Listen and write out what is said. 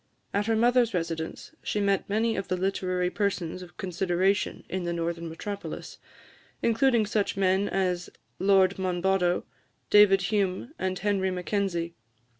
At her mother's residence she met many of the literary persons of consideration in the northern metropolis, including such men as Lord Monboddo, David Hume, and Henry Mackenzie.